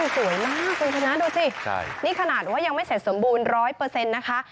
สวยมากคุณชนะดูสินี่ขนาดว่ายังไม่เสร็จสมบูรณ์๑๐๐นะคะ